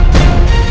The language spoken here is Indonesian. tuhan yang mewarisi